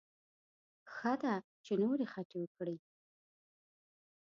ښه ده چې نورې خټې وکړي.